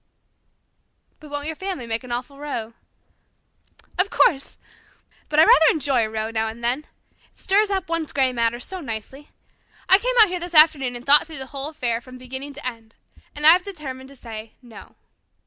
'" "But won't your family make an awful row?" "Of course. But I rather enjoy a row now and then. It stirs up one's grey matter so nicely. I came out here this afternoon and thought the whole affair over from beginning to end. And I have determined to say 'no.'"